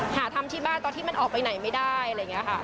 หาทำที่บ้านตอนที่มันออกไปไหนไม่ได้อะไรอย่างนี้ค่ะ